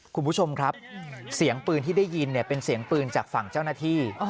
คุณผู้ชมครับเสียงปืนที่ได้ยินเป็นเสียงปืนจากฝั่งเจ้าหน้าที่